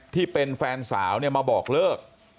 ที่เป็นแฟนสาวมาบอกเลิก